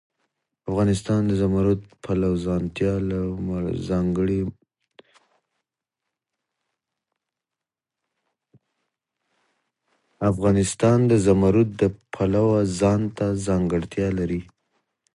افغانستان د زمرد د پلوه ځانته ځانګړتیا لري.